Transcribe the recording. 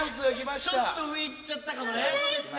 ちょっと上いっちゃったかもね。